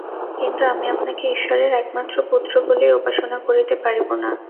কিন্তু আমি আপনাকে ঈশ্বরের একমাত্র পুত্র বলিয়া উপাসনা করিতে পারিব না।